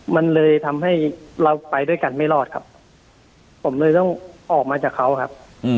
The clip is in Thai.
มันเลยทำให้เราไปด้วยกันไม่รอดครับผมเลยต้องออกมาจากเขาครับ